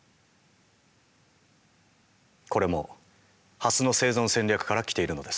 これもハスの生存戦略から来ているのです。